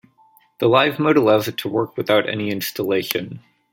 The Live mode allows it to work without any installation.